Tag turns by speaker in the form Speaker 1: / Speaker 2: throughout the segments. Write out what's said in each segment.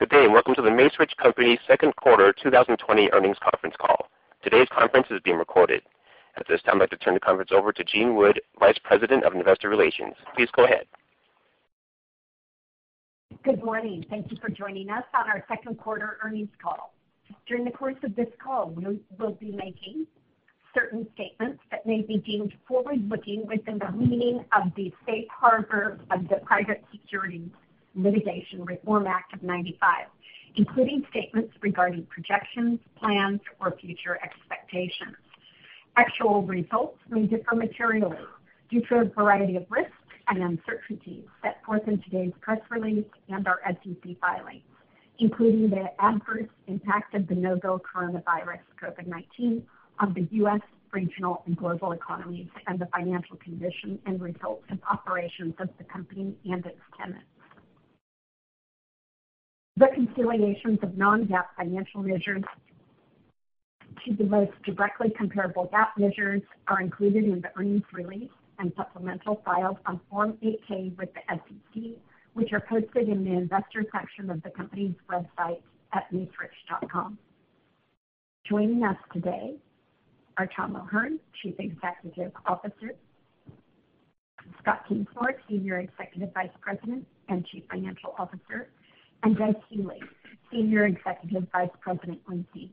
Speaker 1: Good day. Welcome to The Macerich Company second quarter 2020 earnings conference call. Today's conference is being recorded. At this time, I'd like to turn the conference over to Jean Wood, Vice President of Investor Relations. Please go ahead.
Speaker 2: Good morning. Thank you for joining us on our second quarter earnings call. During the course of this call, we will be making certain statements that may be deemed forward-looking within the meaning of the safe harbor of the Private Securities Litigation Reform Act of 1995, including statements regarding projections, plans, or future expectations. Actual results may differ materially due to a variety of risks and uncertainties set forth in today's press release and our SEC filings, including the adverse impact of the novel coronavirus, COVID-19, on the U.S. regional and global economies and the financial condition and results of operations of the company and its tenants. Reconciliations of non-GAAP financial measures to the most directly comparable GAAP measures are included in the earnings release and supplemental files on Form 8-K with the SEC, which are posted in the investor section of the company's website at macerich.com. Joining us today are Tom O'Hern, Chief Executive Officer; Scott Kingsmore, Senior Executive Vice President and Chief Financial Officer; and Doug Healey, Senior Executive Vice President, leasing.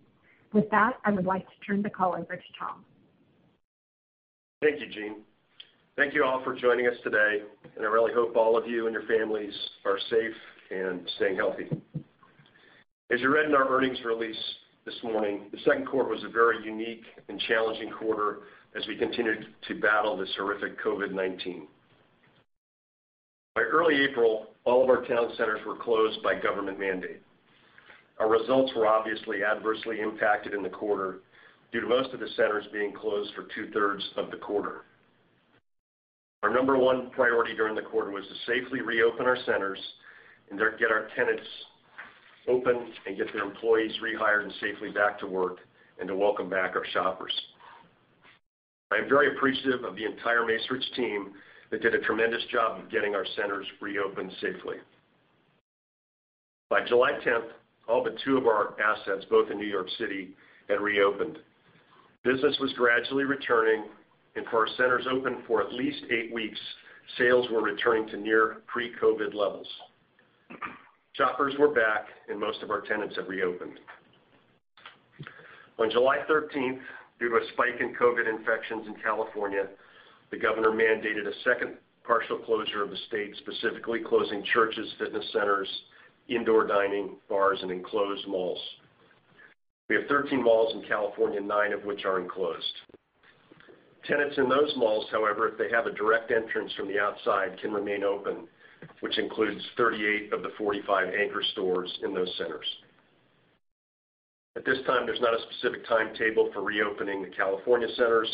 Speaker 2: With that, I would like to turn the call over to Tom.
Speaker 3: Thank you, Jean. Thank you all for joining us today, and I really hope all of you and your families are safe and staying healthy. As you read in our earnings release this morning, the second quarter was a very unique and challenging quarter as we continued to battle this horrific COVID-19. By early April, all of our town centers were closed by government mandate. Our results were obviously adversely impacted in the quarter due to most of the centers being closed for two-thirds of the quarter. Our number one priority during the quarter was to safely reopen our centers and get our tenants open and get their employees rehired and safely back to work, and to welcome back our shoppers. I am very appreciative of the entire Macerich team that did a tremendous job of getting our centers reopened safely. By July 10th, all but two of our assets, both in New York City, had reopened. For our centers open for at least eight weeks, sales were returning to near pre-COVID levels. Shoppers were back and most of our tenants have reopened. On July 13th, due to a spike in COVID infections in California, the governor mandated a second partial closure of the state, specifically closing churches, fitness centers, indoor dining, bars, and enclosed malls. We have 13 malls in California, nine of which are enclosed. Tenants in those malls, however, if they have a direct entrance from the outside, can remain open, which includes 38 of the 45 anchor stores in those centers. At this time, there's not a specific timetable for reopening the California centers.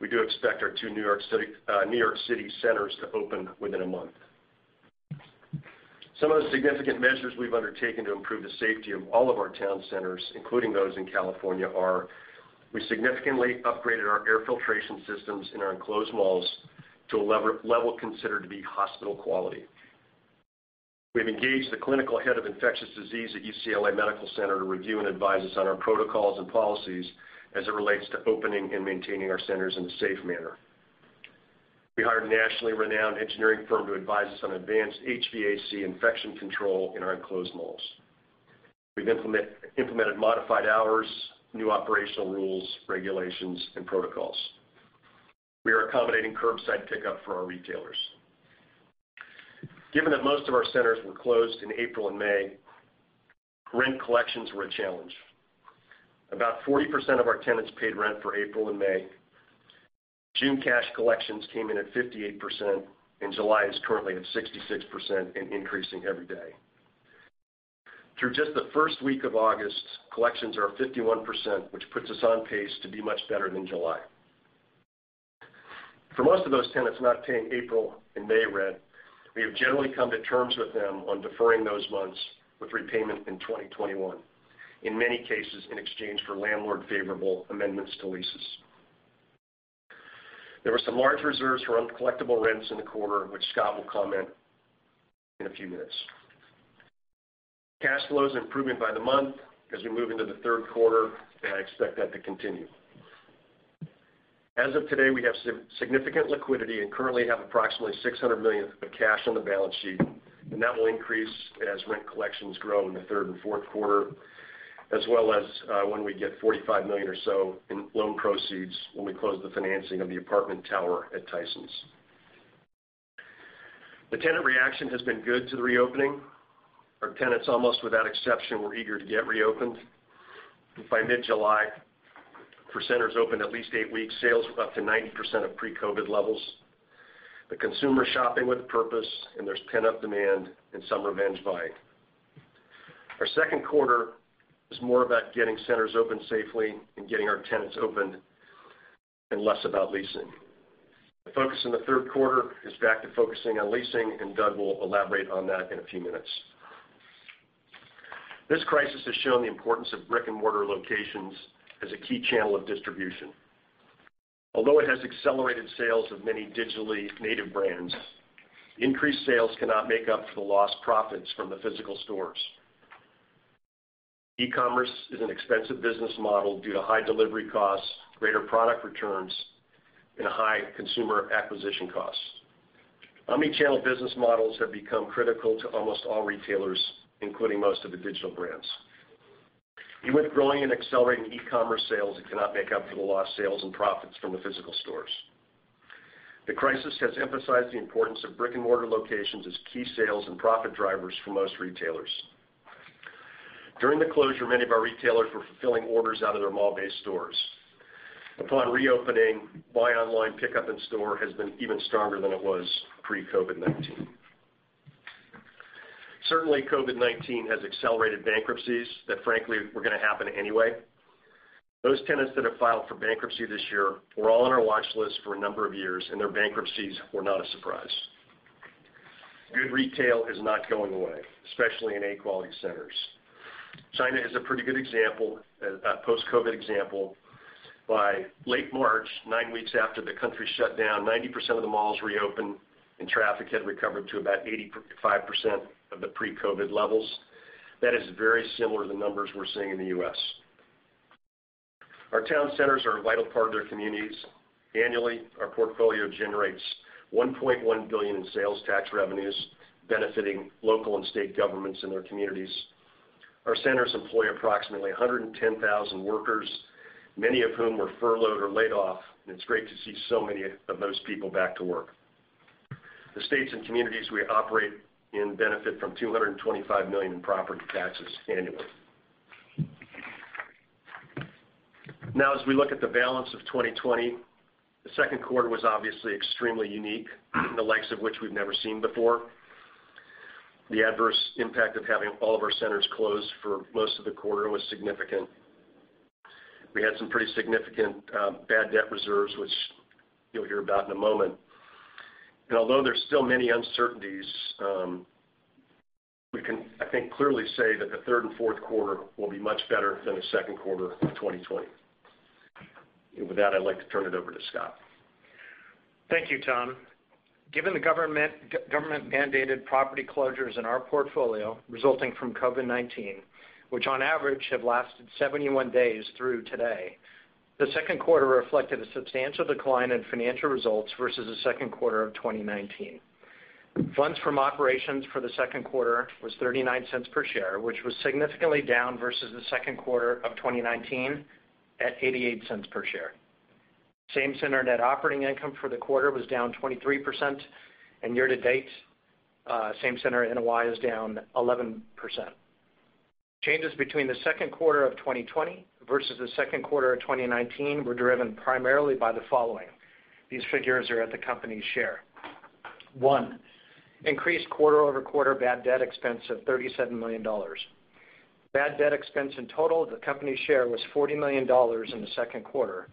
Speaker 3: We do expect our two New York City centers to open within a month. Some of the significant measures we've undertaken to improve the safety of all of our town centers, including those in California, are we significantly upgraded our air filtration systems in our enclosed malls to a level considered to be hospital quality. We have engaged the clinical head of infectious disease at UCLA Medical Center to review and advise us on our protocols and policies as it relates to opening and maintaining our centers in a safe manner. We hired a nationally renowned engineering firm to advise us on advanced HVAC infection control in our enclosed malls. We've implemented modified hours, new operational rules, regulations, and protocols. We are accommodating curbside pickup for our retailers. Given that most of our centers were closed in April and May, rent collections were a challenge. About 40% of our tenants paid rent for April and May. June cash collections came in at 58%. July is currently at 66% and increasing every day. Through just the first week of August, collections are 51%, which puts us on pace to be much better than July. For most of those tenants not paying April and May rent, we have generally come to terms with them on deferring those months with repayment in 2021, in many cases, in exchange for landlord favorable amendments to leases. There were some large reserves for uncollectible rents in the quarter, which Scott will comment in a few minutes. Cash flow is improving by the month as we move into the third quarter. I expect that to continue. As of today, we have significant liquidity and currently have approximately $600 million of cash on the balance sheet, and that will increase as rent collections grow in the third and fourth quarter, as well as when we get $45 million or so in loan proceeds when we close the financing of the apartment tower at Tysons. The tenant reaction has been good to the reopening. Our tenants, almost without exception, were eager to get reopened. By mid-July, for centers open at least eight weeks, sales were up to 90% of pre-COVID-19 levels. The consumer shopping with purpose, and there's pent-up demand and some revenge buying. Our second quarter is more about getting centers open safely and getting our tenants opened and less about leasing. The focus in the third quarter is back to focusing on leasing, and Doug will elaborate on that in a few minutes. This crisis has shown the importance of brick-and-mortar locations as a key channel of distribution. Although it has accelerated sales of many digitally native brands, increased sales cannot make up for the lost profits from the physical stores. E-commerce is an expensive business model due to high delivery costs, greater product returns, and high consumer acquisition costs. Omnichannel business models have become critical to almost all retailers, including most of the digital brands. Even with growing and accelerating e-commerce sales, it cannot make up for the lost sales and profits from the physical stores. The crisis has emphasized the importance of brick-and-mortar locations as key sales and profit drivers for most retailers. During the closure, many of our retailers were fulfilling orders out of their mall-based stores. Upon reopening, buy online pickup in store has been even stronger than it was pre-COVID-19. Certainly, COVID-19 has accelerated bankruptcies that frankly were going to happen anyway. Those tenants that have filed for bankruptcy this year were all on our watch list for a number of years, and their bankruptcies were not a surprise. Good retail is not going away, especially in A quality centers. China is a pretty good post-COVID example. By late March, nine weeks after the country shut down, 90% of the malls reopened, and traffic had recovered to about 85% of the pre-COVID levels. That is very similar to the numbers we're seeing in the U.S. Our town centers are a vital part of their communities. Annually, our portfolio generates $1.1 billion in sales tax revenues, benefiting local and state governments and their communities. Our centers employ approximately 110,000 workers, many of whom were furloughed or laid off, it's great to see so many of those people back to work. The states and communities we operate in benefit from $225 million in property taxes annually. As we look at the balance of 2020, the second quarter was obviously extremely unique, the likes of which we've never seen before. The adverse impact of having all of our centers closed for most of the quarter was significant. We had some pretty significant bad debt reserves, which you'll hear about in a moment. Although there's still many uncertainties, we can, I think, clearly say that the third and fourth quarter will be much better than the second quarter of 2020. With that, I'd like to turn it over to Scott.
Speaker 4: Thank you, Tom. Given the government-mandated property closures in our portfolio resulting from COVID-19, which on average have lasted 71 days through today, the second quarter reflected a substantial decline in financial results versus the second quarter of 2019. Funds from operations for the second quarter was $0.39 per share, which was significantly down versus the second quarter of 2019 at $0.88 per share. Same-center net operating income for the quarter was down 23%, year-to-date, same-center NOI is down 11%. Changes between the second quarter of 2020 versus the second quarter of 2019 were driven primarily by the following. These figures are at the company share. One, increased quarter-over-quarter bad debt expense of $37 million. Bad debt expense in total, the company's share was $40 million in the second quarter.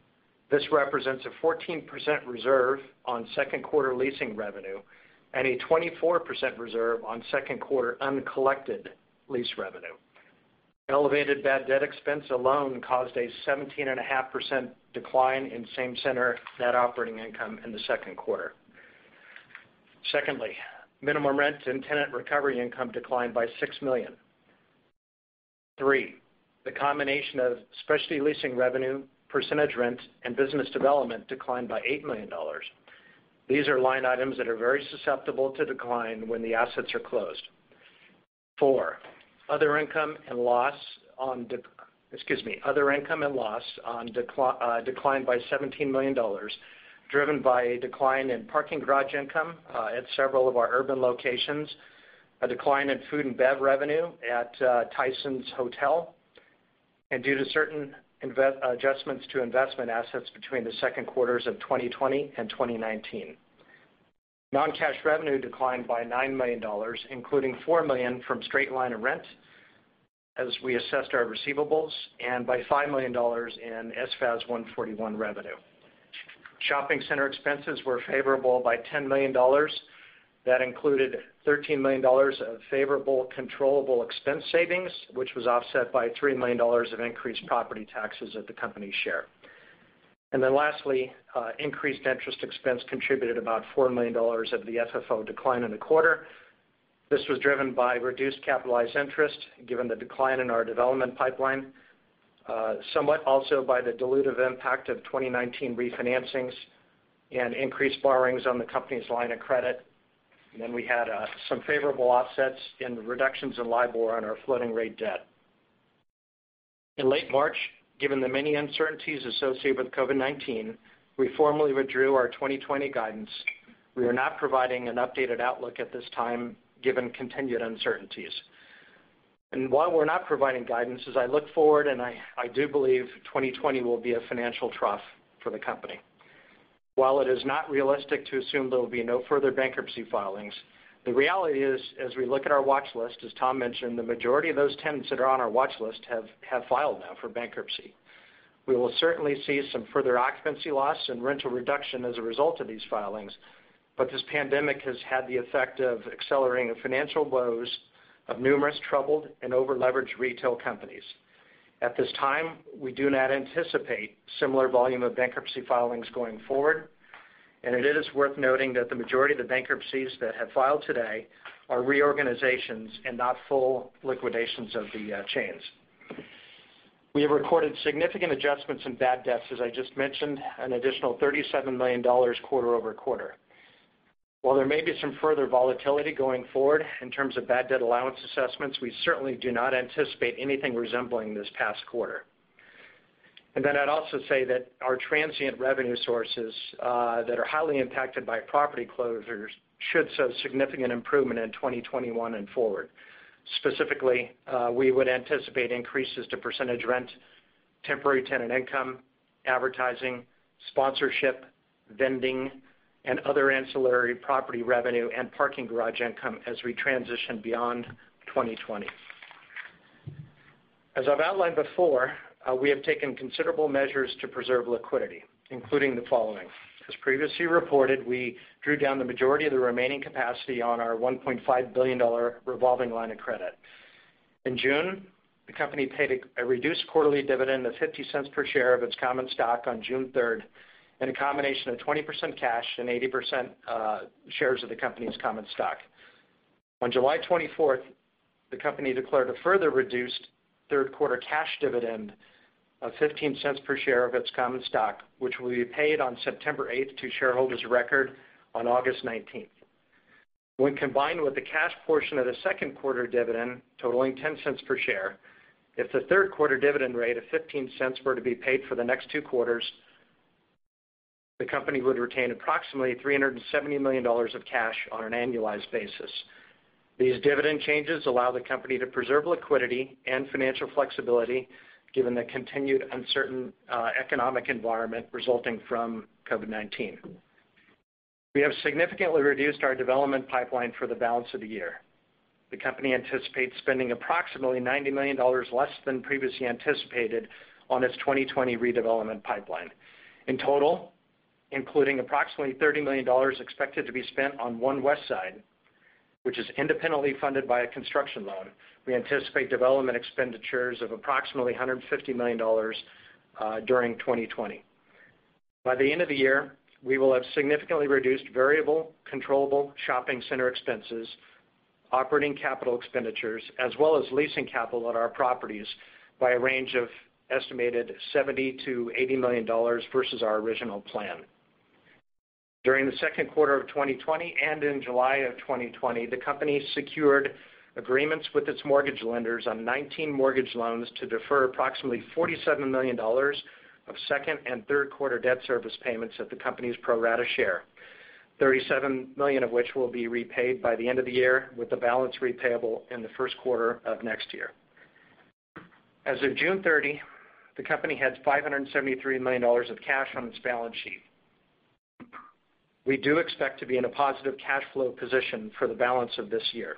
Speaker 4: This represents a 14% reserve on second quarter leasing revenue and a 24% reserve on second quarter uncollected lease revenue. Elevated bad debt expense alone caused a 17.5% decline in same center net operating income in the second quarter. Secondly, minimum rents and tenant recovery income declined by $6 million. Three, the combination of specialty leasing revenue, percentage rent, and business development declined by $8 million. These are line items that are very susceptible to decline when the assets are closed. Four, other income and loss declined by $17 million, driven by a decline in parking garage income at several of our urban locations, a decline in food and bev revenue at Tysons Hotel, and due to certain adjustments to investment assets between the second quarters of 2020 and 2019. Non-cash revenue declined by $9 million, including $4 million from straight line of rent, as we assessed our receivables, and by $5 million in SFAS 141 revenue. Shopping center expenses were favorable by $10 million. Included $13 million of favorable controllable expense savings, which was offset by $3 million of increased property taxes at the company share. Lastly, increased interest expense contributed about $4 million of the FFO decline in the quarter. This was driven by reduced capitalized interest, given the decline in our development pipeline, somewhat also by the dilutive impact of 2019 refinancings, and increased borrowings on the company's line of credit. We had some favorable offsets in the reductions in LIBOR on our floating rate debt. In late March, given the many uncertainties associated with COVID-19, we formally withdrew our 2020 guidance. We are not providing an updated outlook at this time given continued uncertainties. While we're not providing guidance, as I look forward, and I do believe 2020 will be a financial trough for the company. While it is not realistic to assume there will be no further bankruptcy filings, the reality is, as we look at our watch list, as Tom mentioned, the majority of those tenants that are on our watch list have filed now for bankruptcy. We will certainly see some further occupancy loss and rental reduction as a result of these filings, but this pandemic has had the effect of accelerating the financial woes of numerous troubled and over-leveraged retail companies. At this time, we do not anticipate similar volume of bankruptcy filings going forward, and it is worth noting that the majority of the bankruptcies that have filed today are reorganizations and not full liquidations of the chains. We have recorded significant adjustments in bad debts, as I just mentioned, an additional $37 million quarter-over-quarter. While there may be some further volatility going forward in terms of bad debt allowance assessments, we certainly do not anticipate anything resembling this past quarter. Then I'd also say that our transient revenue sources that are highly impacted by property closures should show significant improvement in 2021 and forward. Specifically, we would anticipate increases to percentage rent, temporary tenant income, advertising, sponsorship, vending, and other ancillary property revenue and parking garage income as we transition beyond 2020. As I've outlined before, we have taken considerable measures to preserve liquidity, including the following. As previously reported, we drew down the majority of the remaining capacity on our $1.5 billion revolving line of credit. In June, the company paid a reduced quarterly dividend of $0.50 per share of its common stock on June 3rd and a combination of 20% cash and 80% shares of the company's common stock. On July 24th, the company declared a further reduced third quarter cash dividend of $0.15 per share of its common stock, which will be paid on September 8th to shareholders of record on August 19th. When combined with the cash portion of the second quarter dividend totaling $0.10 per share, if the third quarter dividend rate of $0.15 were to be paid for the next two quarters, the company would retain approximately $370 million of cash on an annualized basis. These dividend changes allow the company to preserve liquidity and financial flexibility given the continued uncertain economic environment resulting from COVID-19. We have significantly reduced our development pipeline for the balance of the year. The company anticipates spending approximately $90 million less than previously anticipated on its 2020 redevelopment pipeline. In total, including approximately $30 million expected to be spent on One Westside, which is independently funded by a construction loan, we anticipate development expenditures of approximately $150 million during 2020. By the end of the year, we will have significantly reduced variable, controllable shopping center expenses, operating capital expenditures, as well as leasing capital at our properties by a range of estimated $70 million-$80 million versus our original plan. During the second quarter of 2020 and in July of 2020, the company secured agreements with its mortgage lenders on 19 mortgage loans to defer approximately $47 million of second and third quarter debt service payments at the company's pro rata share, $37 million of which will be repaid by the end of the year, with the balance repayable in the first quarter of next year. As of June 30, the company had $573 million of cash on its balance sheet. We do expect to be in a positive cash flow position for the balance of this year.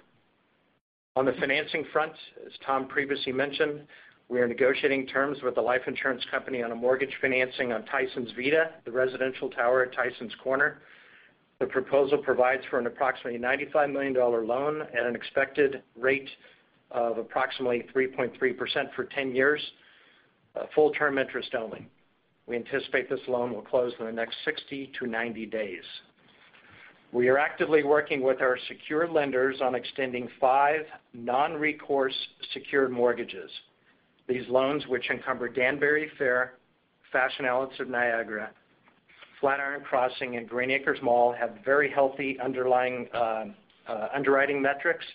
Speaker 4: On the financing front, as Tom previously mentioned, we are negotiating terms with a life insurance company on a mortgage financing on Tysons Vita, the residential tower at Tysons Corner. The proposal provides for an approximately $95 million loan at an expected rate of approximately 3.3% for 10 years, full-term interest only. We anticipate this loan will close in the next 60-90 days. We are actively working with our secure lenders on extending five non-recourse secured mortgages. These loans, which encumber Danbury Fair, Fashion Outlets of Niagara, Flatiron Crossing, and Green Acres Mall, have very healthy underlying underwriting metrics,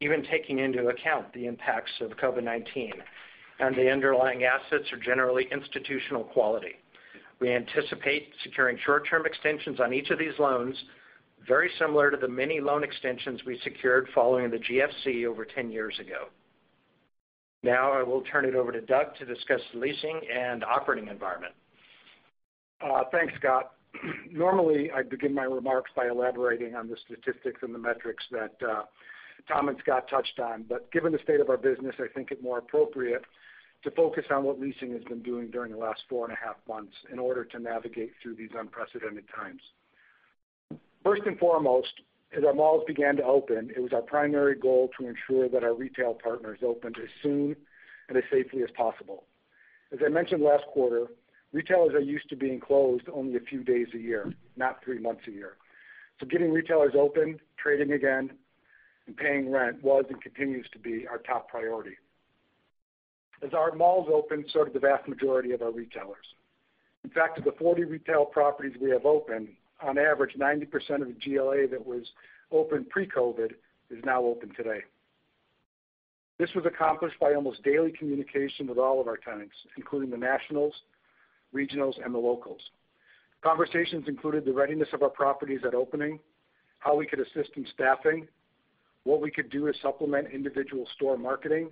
Speaker 4: even taking into account the impacts of COVID-19, and the underlying assets are generally institutional quality. We anticipate securing short-term extensions on each of these loans, very similar to the many loan extensions we secured following the GFC over 10 years ago. Now I will turn it over to Doug to discuss the leasing and operating environment.
Speaker 5: Thanks, Scott. Normally, I begin my remarks by elaborating on the statistics and the metrics that Tom and Scott touched on. Given the state of our business, I think it more appropriate to focus on what leasing has been doing during the last four and a half months in order to navigate through these unprecedented times. First and foremost, as our malls began to open, it was our primary goal to ensure that our retail partners opened as soon and as safely as possible. As I mentioned last quarter, retailers are used to being closed only a few days a year, not three months a year. Getting retailers open, trading again, and paying rent was and continues to be our top priority. As our malls opened, so did the vast majority of our retailers. In fact, of the 40 retail properties we have open, on average, 90% of the GLA that was open pre-COVID is now open today. This was accomplished by almost daily communication with all of our tenants, including the nationals, regionals, and the locals. Conversations included the readiness of our properties at opening, how we could assist in staffing, what we could do to supplement individual store marketing,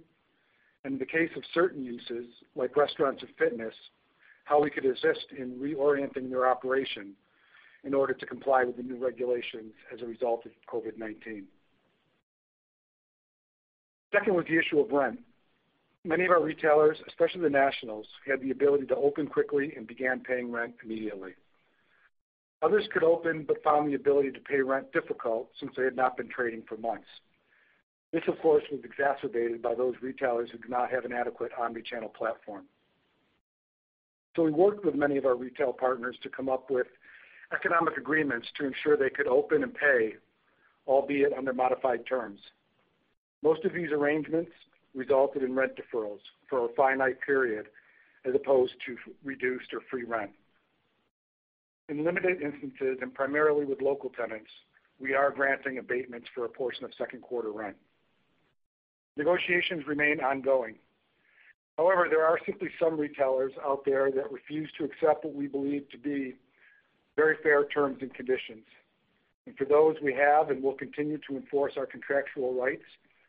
Speaker 5: and in the case of certain uses, like restaurants and fitness, how we could assist in reorienting their operation in order to comply with the new regulations as a result of COVID-19. Second was the issue of rent. Many of our retailers, especially the nationals, had the ability to open quickly and began paying rent immediately. Others could open, but found the ability to pay rent difficult since they had not been trading for months. This, of course, was exacerbated by those retailers who did not have an adequate omni-channel platform. We worked with many of our retail partners to come up with economic agreements to ensure they could open and pay, albeit under modified terms. Most of these arrangements resulted in rent deferrals for a finite period as opposed to reduced or free rent. In limited instances, and primarily with local tenants, we are granting abatements for a portion of second quarter rent. Negotiations remain ongoing. However, there are simply some retailers out there that refuse to accept what we believe to be very fair terms and conditions. For those, we have and will continue to enforce our contractual rights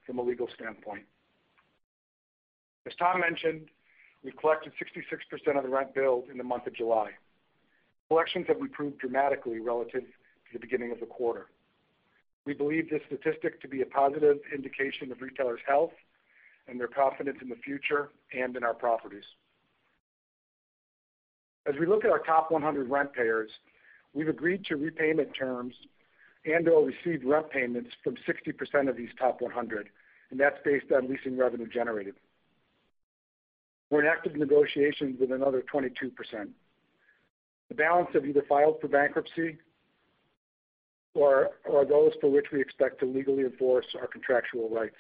Speaker 5: from a legal standpoint. As Tom mentioned, we collected 66% of the rent billed in the month of July. Collections have improved dramatically relative to the beginning of the quarter. We believe this statistic to be a positive indication of retailers' health and their confidence in the future and in our properties. As we look at our top 100 rent payers, we've agreed to repayment terms and/or received rent payments from 60% of these top 100, and that's based on leasing revenue generated. We're in active negotiations with another 22%. The balance have either filed for bankruptcy or are those for which we expect to legally enforce our contractual rights.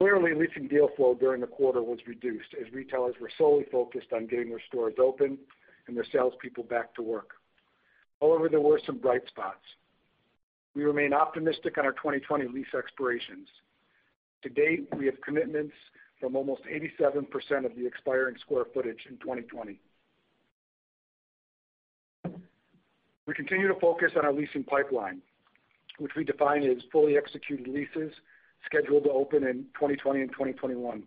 Speaker 5: Clearly, leasing deal flow during the quarter was reduced as retailers were solely focused on getting their stores open and their salespeople back to work. However, there were some bright spots. We remain optimistic on our 2020 lease expirations. To date, we have commitments from almost 87% of the expiring square footage in 2020. We continue to focus on our leasing pipeline, which we define as fully executed leases scheduled to open in 2020 and 2021.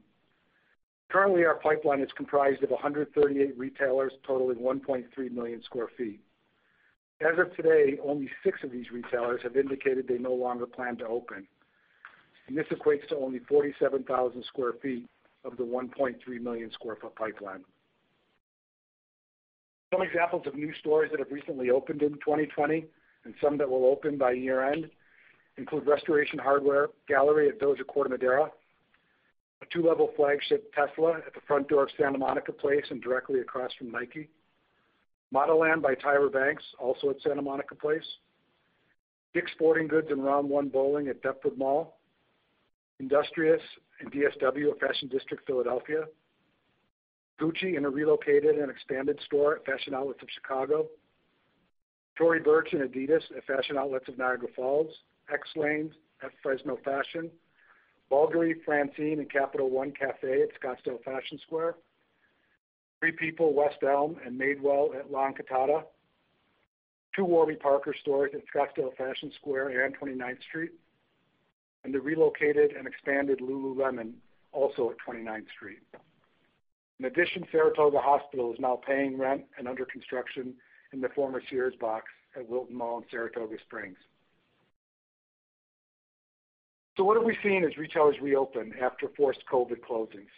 Speaker 5: Currently, our pipeline is comprised of 138 retailers totaling 1.3 million square feet. As of today, only six of these retailers have indicated they no longer plan to open, and this equates to only 47,000 sq ft of the 1.3 million square foot pipeline. Some examples of new stores that have recently opened in 2020 and some that will open by year-end include Restoration Hardware Gallery at Village of Corte Madera, a two-level flagship Tesla at the front door of Santa Monica Place and directly across from Nike. Modelland by Tyra Banks, also at Santa Monica Place. Dick's Sporting Goods and Round1 Bowling at Deptford Mall. Industrious and DSW at Fashion District Philadelphia. Gucci in a relocated and expanded store at Fashion Outlets of Chicago. Tory Burch and Adidas at Fashion Outlets of Niagara Falls. XLanes at Fashion Fair. Bulgari, FRANCINE, and Capital One Café at Scottsdale Fashion Square. Free People, West Elm, and Madewell at La Encantada. two Warby Parker stores at Scottsdale Fashion Square and 29th Street, and the relocated and expanded Lululemon, also at 29th Street. In addition, Saratoga Hospital is now paying rent and under construction in the former Sears box at Wilton Mall in Saratoga Springs. What have we seen as retailers reopen after forced COVID closings?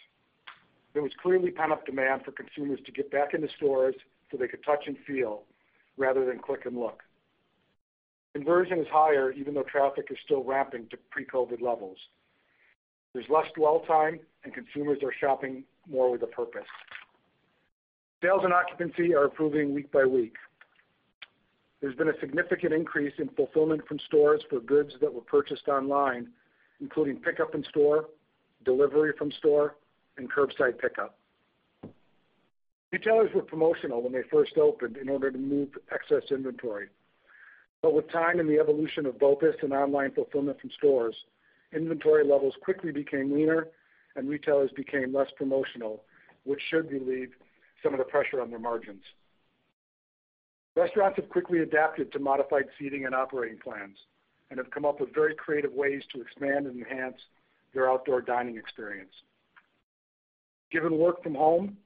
Speaker 5: There was clearly pent-up demand for consumers to get back into stores so they could touch and feel rather than click and look. Conversion is higher, even though traffic is still ramping to pre-COVID levels. There's less dwell time, and consumers are shopping more with a purpose. Sales and occupancy are improving week by week. There's been a significant increase in fulfillment from stores for goods that were purchased online, including pickup in store, delivery from store, and curbside pickup. Retailers were promotional when they first opened in order to move excess inventory. With time and the evolution of BOPIS and online fulfillment from stores, inventory levels quickly became leaner and retailers became less promotional, which should relieve some of the pressure on their margins. Restaurants have quickly adapted to modified seating and operating plans and have come up with very creative ways to expand and enhance their outdoor dining experience. Given work from home,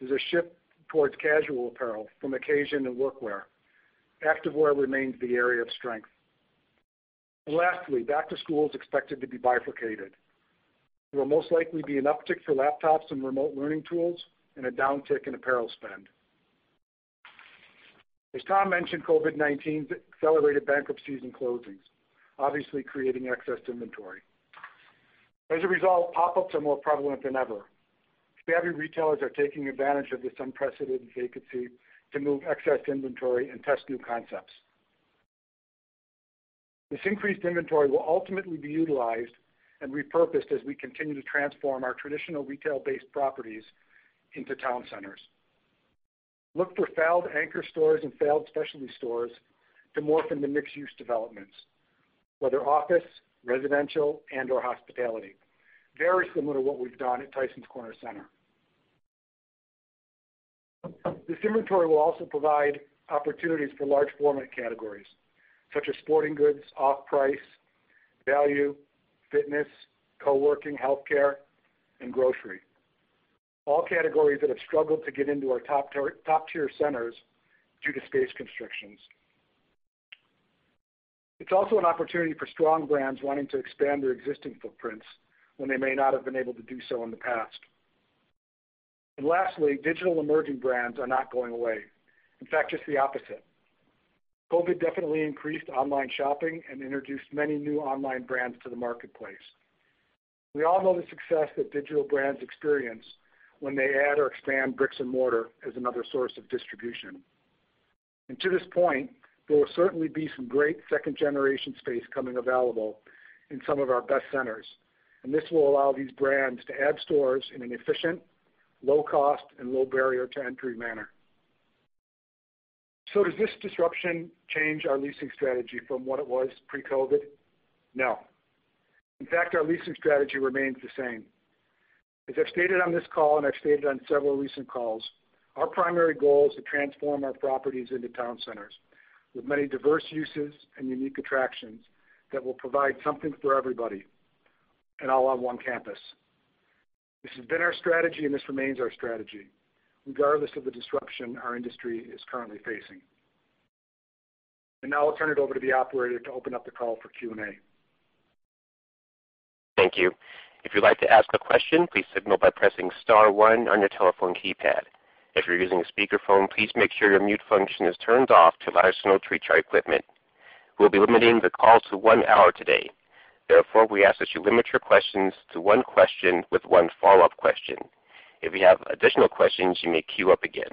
Speaker 5: there's a shift towards casual apparel from occasion and work wear. Active wear remains the area of strength. Lastly, back to school is expected to be bifurcated. There will most likely be an uptick for laptops and remote learning tools and a downtick in apparel spend. As Tom mentioned, COVID-19 accelerated bankruptcies and closings, obviously creating excess inventory. As a result, pop-ups are more prevalent than ever. Savvy retailers are taking advantage of this unprecedented vacancy to move excess inventory and test new concepts. This increased inventory will ultimately be utilized and repurposed as we continue to transform our traditional retail-based properties into town centers. Look for failed anchor stores and failed specialty stores to morph into mixed-use developments, whether office, residential, and/or hospitality, very similar to what we've done at Tysons Corner Center. This inventory will also provide opportunities for large format categories such as sporting goods, off-price, value, fitness, co-working, healthcare, and grocery. All categories that have struggled to get into our top-tier centers due to space constrictions. It's also an opportunity for strong brands wanting to expand their existing footprints when they may not have been able to do so in the past. Lastly, digital emerging brands are not going away. In fact, just the opposite. COVID definitely increased online shopping and introduced many new online brands to the marketplace. We all know the success that digital brands experience when they add or expand bricks and mortar as another source of distribution. To this point, there will certainly be some great second-generation space coming available in some of our best centers, and this will allow these brands to add stores in an efficient, low cost, and low barrier to entry manner. Does this disruption change our leasing strategy from what it was pre-COVID? No. In fact, our leasing strategy remains the same. As I've stated on this call, and I've stated on several recent calls, our primary goal is to transform our properties into town centers with many diverse uses and unique attractions that will provide something for everybody, and all on one campus. This has been our strategy, and this remains our strategy, regardless of the disruption our industry is currently facing. Now I'll turn it over to the operator to open up the call for Q&A.
Speaker 1: Thank you. If you'd like to ask a question, please signal by pressing star one on your telephone keypad. If you're using a speakerphone, please make sure your mute function is turned off to allow us to know to treat your equipment. We'll be limiting the call to one hour today. Therefore, we ask that you limit your questions to one question with one follow-up question. If you have additional questions, you may queue up again.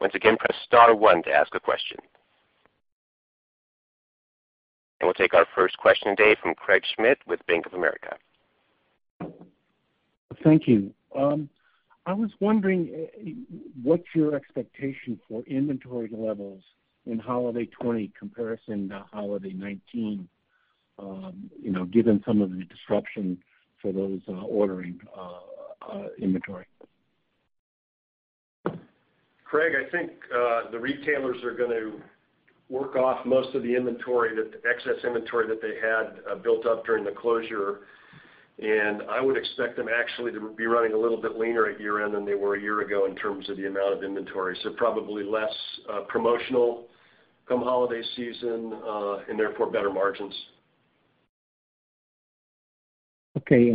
Speaker 1: Once again, press star one to ask a question. We'll take our first question today from Craig Schmidt with Bank of America.
Speaker 6: Thank you. I was wondering what's your expectation for inventory levels in holiday 2020 comparison to holiday 2019, given some of the disruption for those ordering inventory.
Speaker 3: Craig, I think the retailers are going to work off most of the excess inventory that they had built up during the closure, and I would expect them actually to be running a little bit leaner at year-end than they were a year ago in terms of the amount of inventory. Probably less promotional come holiday season, and therefore, better margins.
Speaker 6: Okay.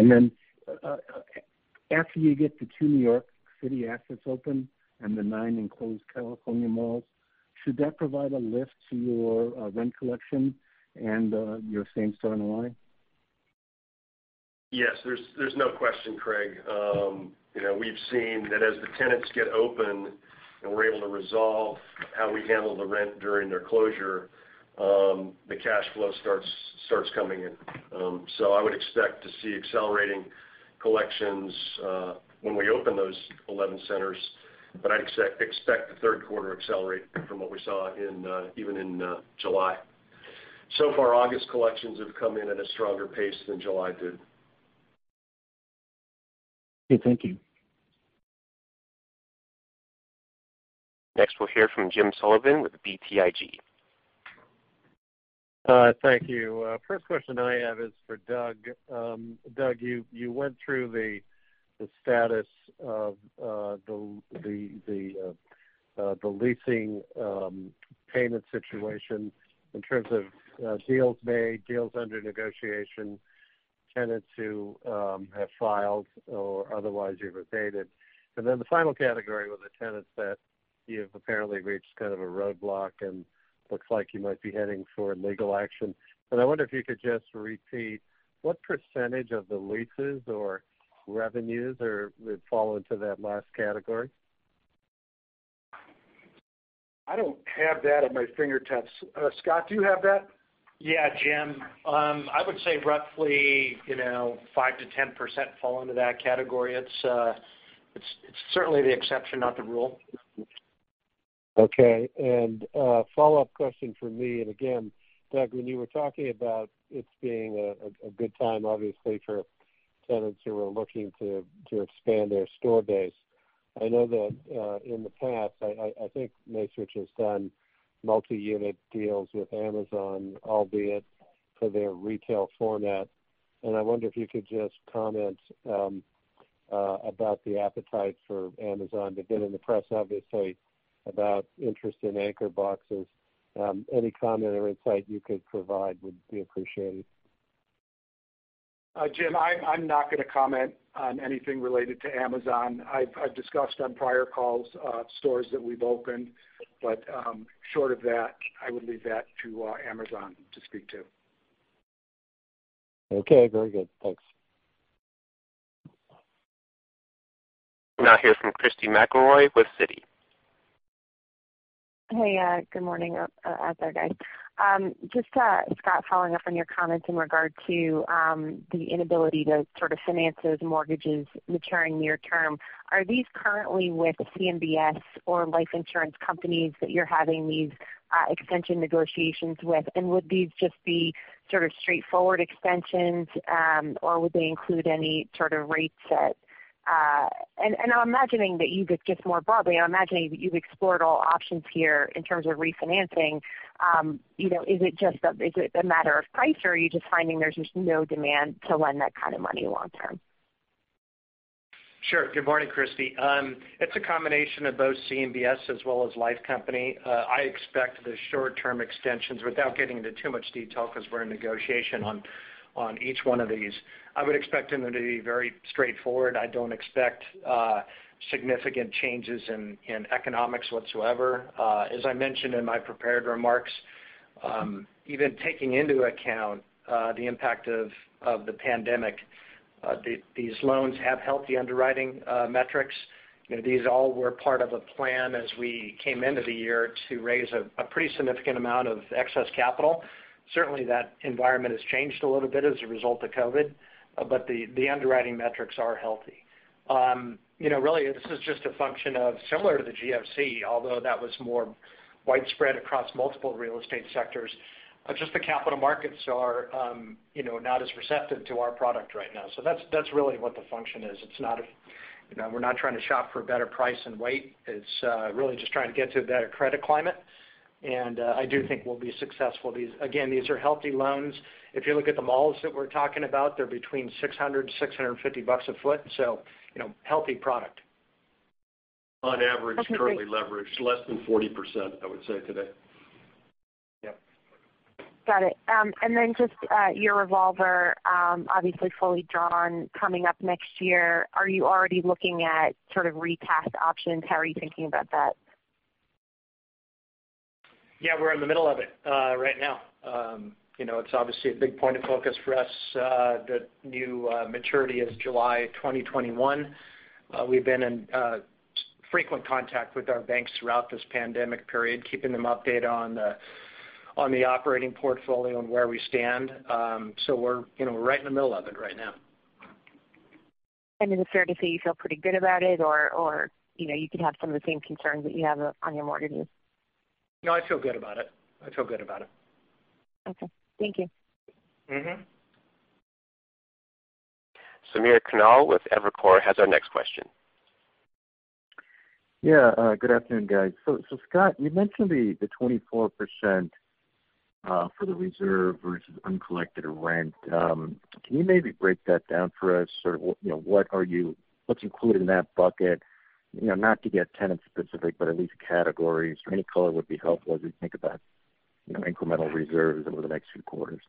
Speaker 6: After you get the two New York City assets open and the nine enclosed California malls, should that provide a lift to your rent collection and your same store NOI?
Speaker 3: Yes, there's no question, Craig. We've seen that as the tenants get open and we're able to resolve how we handle the rent during their closure, the cash flow starts coming in. I would expect to see accelerating collections when we open those 11 centers, but I'd expect the third quarter to accelerate from what we saw even in July. So far, August collections have come in at a stronger pace than July did.
Speaker 6: Okay, thank you.
Speaker 1: Next, we'll hear from James Sullivan with BTIG.
Speaker 7: Thank you. First question I have is for Doug. Doug, you went through the status of the leasing payment situation in terms of deals made, deals under negotiation, tenants who have filed or otherwise you've updated. The final category was the tenants that you've apparently reached kind of a roadblock and looks like you might be heading for legal action. I wonder if you could just repeat what percentage of the leases or revenues would fall into that last category.
Speaker 5: I don't have that at my fingertips. Scott, do you have that?
Speaker 4: Yeah, Jim. I would say roughly 5%-10% fall into that category. It's certainly the exception, not the rule.
Speaker 7: Okay. A follow-up question from me, and again, Doug, when you were talking about it's being a good time, obviously, for tenants who are looking to expand their store base. I know that in the past, I think Macerich has done multi-unit deals with Amazon, albeit for their retail format, and I wonder if you could just comment about the appetite for Amazon. They've been in the press, obviously, about interest in anchor boxes. Any comment or insight you could provide would be appreciated.
Speaker 5: Jim, I'm not going to comment on anything related to Amazon. I've discussed on prior calls stores that we've opened, but short of that, I would leave that to Amazon to speak to.
Speaker 7: Okay, very good. Thanks.
Speaker 1: Now hear from Christy McElroy with Citi.
Speaker 8: Hey. Good morning out there, guys. Just, Scott, following up on your comments in regard to the inability to sort of finance those mortgages maturing near term. Are these currently with CMBS or life insurance companies that you're having these extension negotiations with? Would these just be sort of straightforward extensions, or would they include any sort of rate set? I'm imagining that you just more broadly, I'm imagining that you've explored all options here in terms of refinancing. Is it a matter of price, or are you just finding there's just no demand to lend that kind of money long term?
Speaker 4: Sure. Good morning, Christy. It's a combination of both CMBS as well as life company. I expect the short-term extensions, without getting into too much detail because we're in negotiation on each one of these. I would expect them to be very straightforward. I don't expect significant changes in economics whatsoever. As I mentioned in my prepared remarks, even taking into account the impact of the pandemic, these loans have healthy underwriting metrics. These all were part of a plan as we came into the year to raise a pretty significant amount of excess capital. Certainly, that environment has changed a little bit as a result of COVID. The underwriting metrics are healthy. Really, this is just a function of similar to the GFC, although that was more widespread across multiple real estate sectors. Just the capital markets are not as receptive to our product right now. That's really what the function is. We're not trying to shop for a better price and wait. It's really just trying to get to a better credit climate, and I do think we'll be successful. Again, these are healthy loans. If you look at the malls that we're talking about, they're between $600-$650 a foot, so healthy product.
Speaker 3: On average, currently leveraged less than 40%, I would say today.
Speaker 4: Yeah.
Speaker 8: Got it. Just your revolver obviously fully drawn coming up next year. Are you already looking at sort of recast options? How are you thinking about that?
Speaker 4: Yeah, we're in the middle of it right now. It's obviously a big point of focus for us. The new maturity is July 2021. We've been in frequent contact with our banks throughout this pandemic period, keeping them updated on the operating portfolio and where we stand. We're right in the middle of it right now.
Speaker 8: Is it fair to say you feel pretty good about it, or you could have some of the same concerns that you have on your mortgages?
Speaker 4: No, I feel good about it. I feel good about it.
Speaker 8: Okay. Thank you.
Speaker 1: Samir Khanal with Evercore has our next question.
Speaker 9: Yeah, good afternoon, guys. Scott, you mentioned the 24% for the reserve versus uncollected rent. Can you maybe break that down for us, sort of what's included in that bucket? Not to get tenant specific, but at least categories or any color would be helpful as we think about incremental reserves over the next few quarters.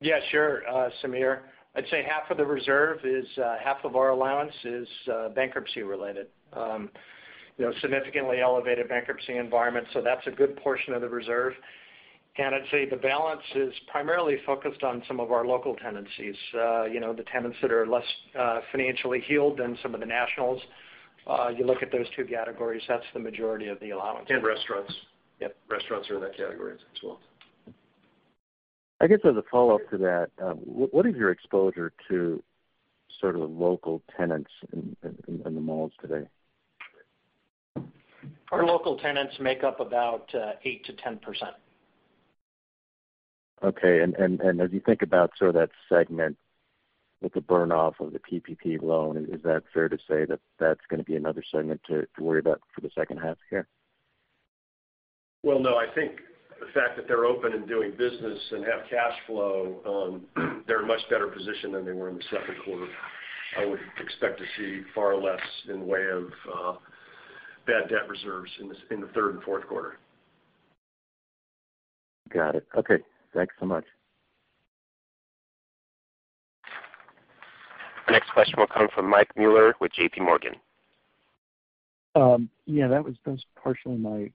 Speaker 4: Yeah, sure Samir. I'd say half of our allowance is bankruptcy related. Significantly elevated bankruptcy environment, that's a good portion of the reserve. I'd say the balance is primarily focused on some of our local tenancies. The tenants that are less financially healed than some of the nationals. You look at those two categories, that's the majority of the allowance.
Speaker 3: And restaurants.
Speaker 4: Yep.
Speaker 3: Restaurants are in that category as well.
Speaker 9: I guess as a follow-up to that, what is your exposure to sort of local tenants in the malls today?
Speaker 4: Our local tenants make up about 8%-10%.
Speaker 9: Okay, as you think about sort of that segment with the burn-off of the PPP loan, is that fair to say that that's going to be another segment to worry about for the second half here?
Speaker 3: Well, no. I think the fact that they're open and doing business and have cash flow, they're in much better position than they were in the second quarter. I would expect to see far less in way of bad debt reserves in the third and fourth quarter.
Speaker 9: Got it. Okay. Thanks so much.
Speaker 1: Our next question will come from Michael Mueller with JPMorgan.
Speaker 10: That was partially my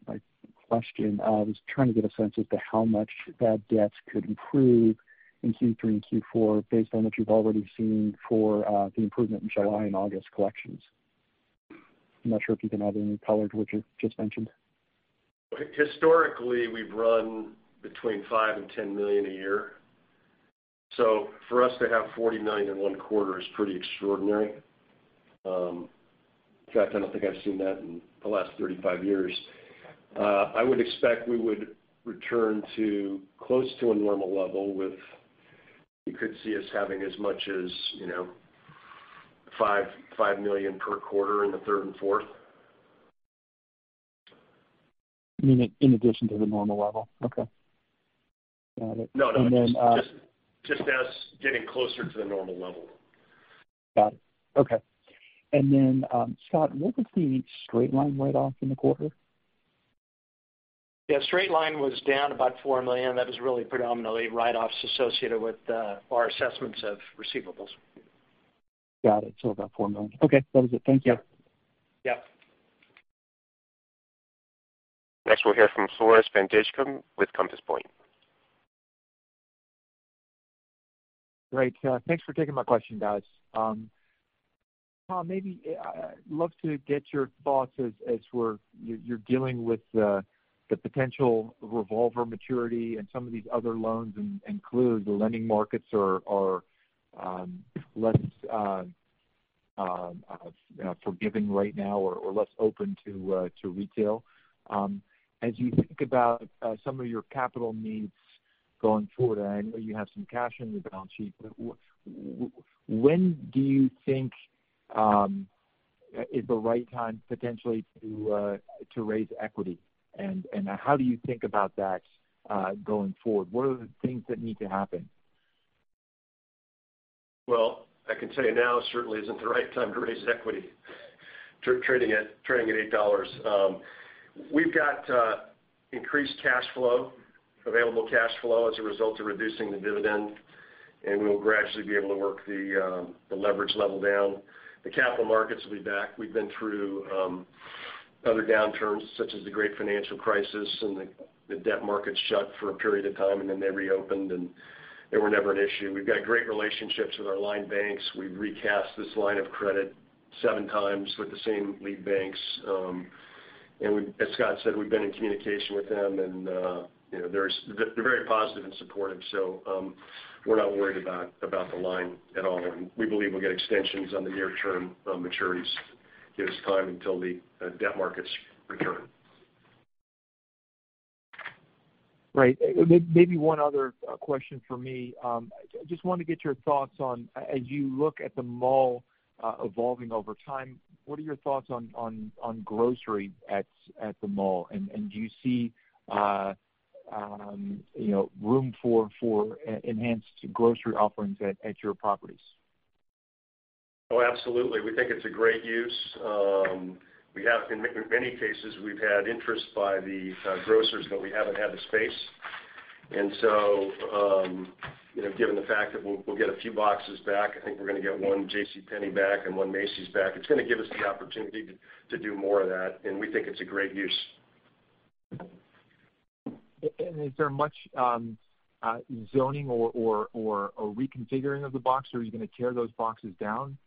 Speaker 10: question. I was trying to get a sense as to how much bad debts could improve in Q3 and Q4 based on what you've already seen for the improvement in July and August collections. I'm not sure if you can add any color to what you just mentioned.
Speaker 3: Historically, we've run between $5 million and $10 million a year. For us to have $40 million in one quarter is pretty extraordinary. In fact, I don't think I've seen that in the last 35 years. I would expect we would return to close to a normal level with, you could see us having as much as $5 million per quarter in the third and fourth.
Speaker 10: You mean in addition to the normal level? Okay. Got it.
Speaker 3: No, just as getting closer to the normal level.
Speaker 10: Got it. Okay. Scott, what was the straight-line write-off in the quarter?
Speaker 4: Yeah. Straight line was down about $4 million. That was really predominantly write-offs associated with our assessments of receivables.
Speaker 10: Got it. About $4 million. Okay. That was it. Thank you.
Speaker 4: Yep.
Speaker 1: Next, we'll hear from Floris van Dijkum with Compass Point.
Speaker 11: Great. Thanks for taking my question, guys. Tom, maybe I'd love to get your thoughts as you're dealing with the potential revolver maturity and some of these other loans include the lending markets are less forgiving right now or less open to retail. As you think about some of your capital needs going forward, I know you have some cash on your balance sheet, but when do you think is the right time potentially to raise equity? How do you think about that going forward? What are the things that need to happen?
Speaker 3: Well, I can tell you now certainly isn't the right time to raise equity, trading at $8. We've got increased cash flow, available cash flow as a result of reducing the dividend, and we will gradually be able to work the leverage level down. The capital markets will be back. We've been through other downturns, such as the Great Financial Crisis, and the debt markets shut for a period of time, and then they reopened, and they were never an issue. We've got great relationships with our line banks. We've recast this line of credit seven times with the same lead banks. As Scott said, we've been in communication with them, and they're very positive and supportive. We're not worried about the line at all, and we believe we'll get extensions on the near-term maturities, give us time until the debt markets return.
Speaker 11: Right. Maybe one other question from me. I just wanted to get your thoughts on, as you look at the mall evolving over time, what are your thoughts on grocery at the mall, and do you see room for enhanced grocery offerings at your properties?
Speaker 3: Oh, absolutely. We think it's a great use. In many cases, we've had interest by the grocers, but we haven't had the space. Given the fact that we'll get a few boxes back, I think we're going to get one JCPenney back and one Macy's back. It's going to give us the opportunity to do more of that, and we think it's a great use.
Speaker 11: Is there much zoning or reconfiguring of the box, or are you going to tear those boxes down?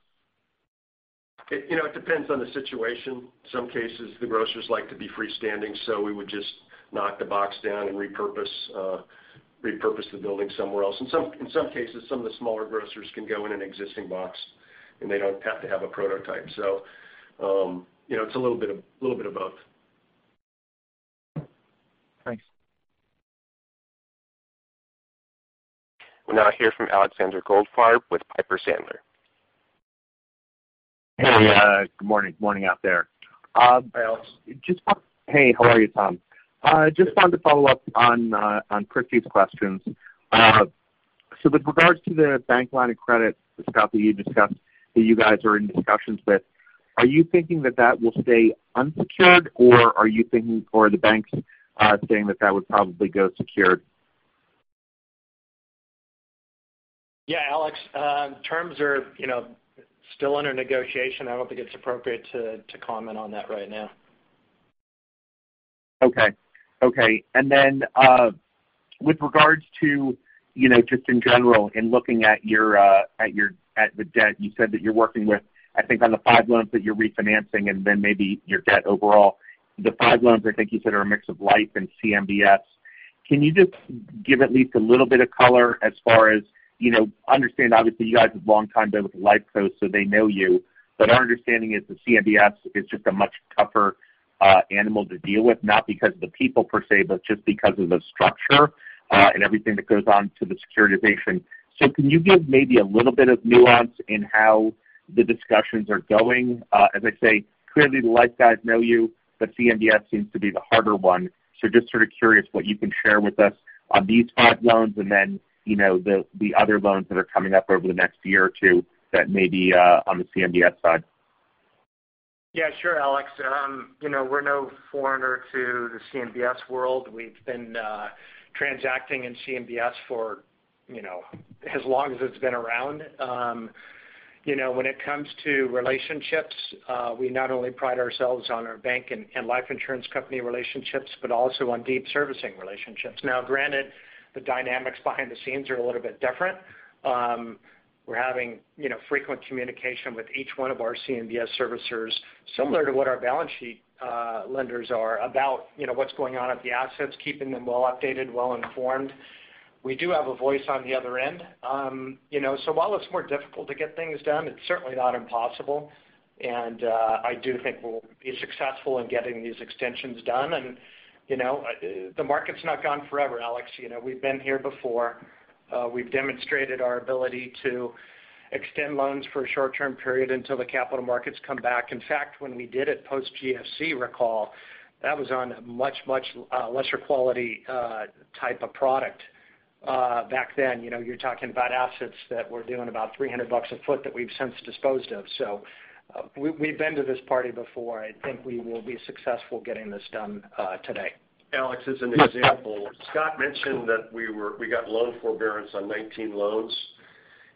Speaker 3: It depends on the situation. Some cases, the grocers like to be freestanding, so we would just knock the box down and repurpose the building somewhere else. In some cases, some of the smaller grocers can go in an existing box, and they don't have to have a prototype. It's a little bit of both.
Speaker 11: Thanks.
Speaker 1: We'll now hear from Alexander Goldfarb with Piper Sandler.
Speaker 12: Hey.
Speaker 3: Good morning. Morning out there.
Speaker 4: Hey, Alex.
Speaker 12: Hey, how are you, Tom? I just wanted to follow up on Christy's questions. With regards to the bank line of credit that, Scott, that you discussed that you guys are in discussions with, are you thinking that that will stay unsecured, or are you thinking, or are the banks saying that that would probably go secured?
Speaker 4: Yeah, Alex. Terms are still under negotiation. I don't think it's appropriate to comment on that right now.
Speaker 12: Okay. With regards to, just in general, in looking at the debt you said that you're working with, I think on the five loans that you're refinancing and then maybe your debt overall. The five loans, I think you said, are a mix of life and CMBS. Can you just give at least a little bit of color as far as. Understand, obviously, you guys have long-time deal with life cos, so they know you. Our understanding is that CMBS is just a much tougher animal to deal with, not because of the people per se, but just because of the structure and everything that goes on to the securitization. Can you give maybe a little bit of nuance in how the discussions are going? As I say, clearly, the life guys know you, but CMBS seems to be the harder one. Just sort of curious what you can share with us on these five loans and then the other loans that are coming up over the next year or two that may be on the CMBS side.
Speaker 4: Yeah, sure, Alex. We're no foreigner to the CMBS world. We've been transacting in CMBS for as long as it's been around. When it comes to relationships, we not only pride ourselves on our bank and life insurance company relationships, but also on deep servicing relationships. Granted, the dynamics behind the scenes are a little bit different. We're having frequent communication with each one of our CMBS servicers, similar to what our balance sheet lenders are about what's going on at the assets, keeping them well updated, well-informed. We do have a voice on the other end. While it's more difficult to get things done, it's certainly not impossible. I do think we'll be successful in getting these extensions done. The market's not gone forever, Alex. We've been here before. We've demonstrated our ability to extend loans for a short-term period until the capital markets come back. In fact, when we did it post-GFC, recall, that was on a much lesser quality type of product. Back then, you're talking about assets that were doing about $300 a foot that we've since disposed of. We've been to this party before. I think we will be successful getting this done today.
Speaker 3: Alex, as an example, Scott mentioned that we got loan forbearance on 19 loans,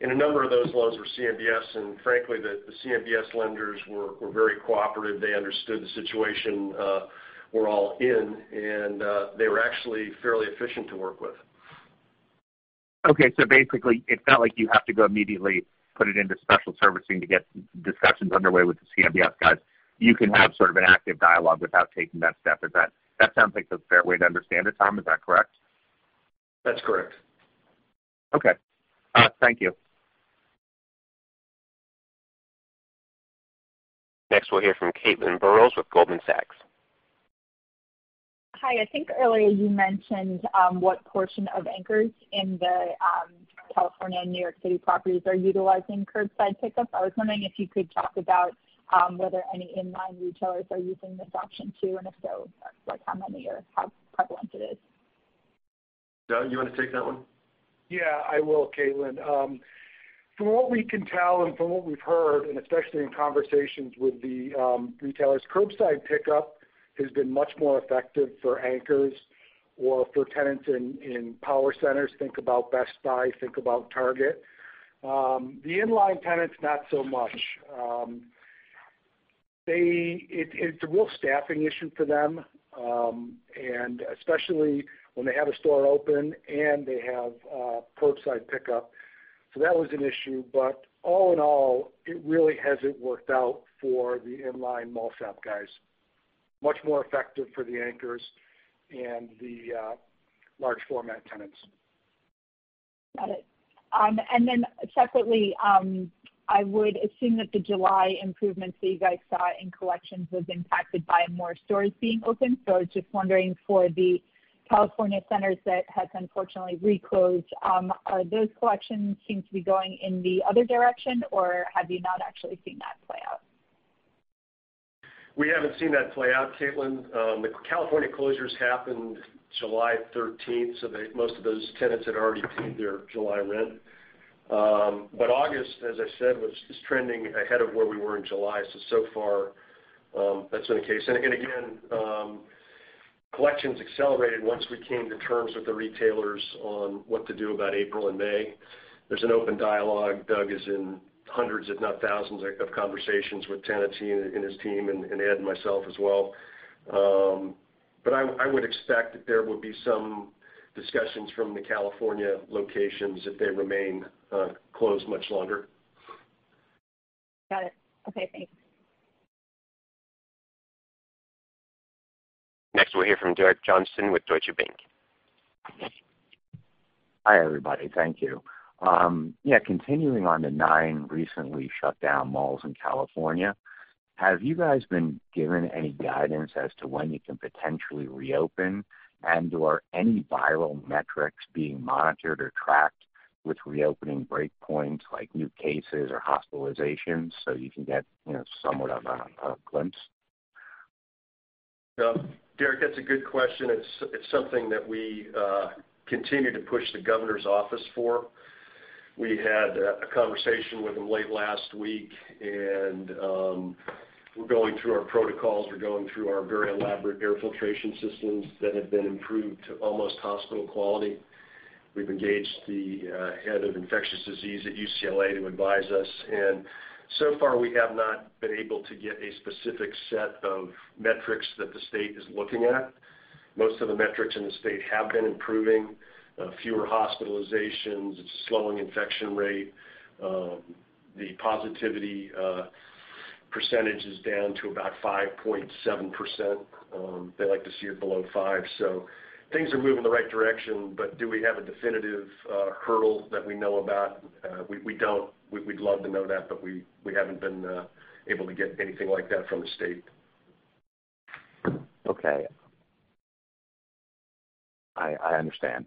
Speaker 3: and a number of those loans were CMBS, and frankly, the CMBS lenders were very cooperative. They understood the situation we're all in, and they were actually fairly efficient to work with.
Speaker 12: Okay, basically, it's not like you have to go immediately put it into special servicing to get discussions underway with the CMBS guys. You can have sort of an active dialogue without taking that step. That sounds like a fair way to understand it, Tom. Is that correct?
Speaker 3: That's correct.
Speaker 12: Okay. Thank you.
Speaker 1: Next, we'll hear from Caitlin Burrows with Goldman Sachs.
Speaker 13: Hi. I think earlier you mentioned what portion of anchors in the California and New York City properties are utilizing curbside pickup. I was wondering if you could talk about whether any inline retailers are using this option too, and if so, how many or how prevalent it is.
Speaker 3: Doug, you want to take that one?
Speaker 5: Yeah, I will, Caitlin. From what we can tell and from what we've heard, and especially in conversations with the retailers, curbside pickup has been much more effective for anchors or for tenants in power centers. Think about Best Buy, think about Target. The inline tenants, not so much. It's a real staffing issue for them, and especially when they have a store open and they have curbside pickup. That was an issue, but all in all, it really hasn't worked out for the inline mall guys. Much more effective for the anchors and the large format tenants.
Speaker 13: Got it. Separately, I would assume that the July improvements that you guys saw in collections was impacted by more stores being open. I was just wondering for the California centers that have unfortunately re-closed, are those collections seem to be going in the other direction, or have you not actually seen that play out?
Speaker 3: We haven't seen that play out, Caitlin. The California closures happened July 13th, so most of those tenants had already paid their July rent. August, as I said, is trending ahead of where we were in July. So far that's been the case. Again, collections accelerated once we came to terms with the retailers on what to do about April and May. There's an open dialogue. Doug is in hundreds, if not thousands, of conversations with tenancy and his team, and Ed and myself as well. I would expect that there would be some discussions from the California locations if they remain closed much longer.
Speaker 13: Got it. Okay, thanks.
Speaker 1: Next, we'll hear from Derek Johnston with Deutsche Bank.
Speaker 14: Hi, everybody. Thank you. Yeah, continuing on the nine recently shut down malls in California, have you guys been given any guidance as to when you can potentially reopen and/or any viral metrics being monitored or tracked with reopening breakpoints, like new cases or hospitalizations so you can get somewhat of a glimpse?
Speaker 3: Derek, that's a good question. It's something that we continue to push the governor's office for. We had a conversation with him late last week, and we're going through our protocols. We're going through our very elaborate air filtration systems that have been improved to almost hospital quality. We've engaged the head of infectious disease at UCLA to advise us, and so far, we have not been able to get a specific set of metrics that the state is looking at. Most of the metrics in the state have been improving. Fewer hospitalizations, a slowing infection rate. The positivity percentage is down to about 5.7%. They like to see it below five. Things are moving in the right direction, but do we have a definitive hurdle that we know about? We don't. We'd love to know that, but we haven't been able to get anything like that from the state.
Speaker 14: Okay. I understand.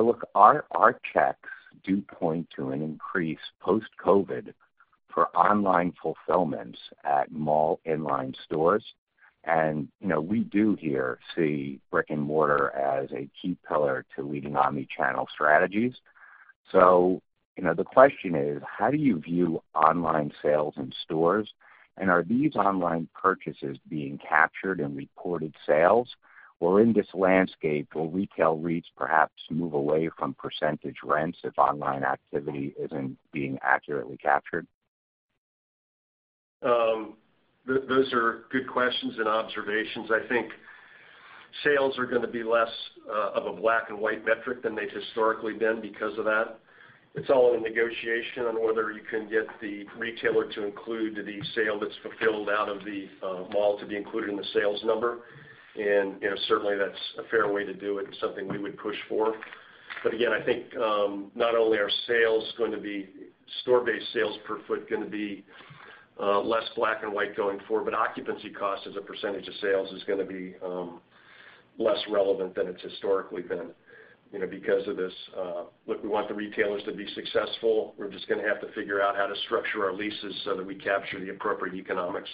Speaker 14: Look, our checks do point to an increase post-COVID for online fulfillments at mall inline stores. We do here see brick and mortar as a key pillar to leading omni-channel strategies. The question is, how do you view online sales in stores, and are these online purchases being captured in reported sales? In this landscape, will retail REITs perhaps move away from percentage rents if online activity isn't being accurately captured?
Speaker 3: Those are good questions and observations. I think sales are going to be less of a black and white metric than they've historically been because of that. It's all a negotiation on whether you can get the retailer to include the sale that's fulfilled out of the mall to be included in the sales number. Certainly, that's a fair way to do it and something we would push for. Again, I think not only are store-based sales per foot going to be less black and white going forward, but occupancy cost as a percentage of sales is going to be less relevant than it's historically been because of this. Look, we want the retailers to be successful. We're just going to have to figure out how to structure our leases so that we capture the appropriate economics.